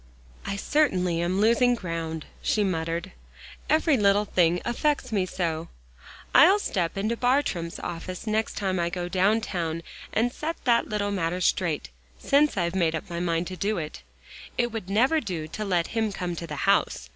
"I certainly am losing ground," she muttered, "every little thing affects me so. I'll step into Bartram's office next time I go down town and set that little matter straight, since I've made up my mind to do it. It never would do to let him come to the house.